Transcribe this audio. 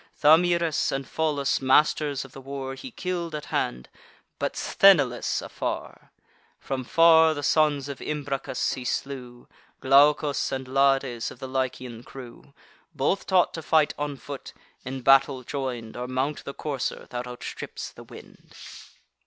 Thamyris and Pholus, masters of the war, He kill'd at hand, but Sthenelus afar: From far the sons of Imbracus he slew, Glaucus and Lades, of the Lycian crew; Both taught to fight on foot, in battle join'd, Or mount the courser that outstrips the wind.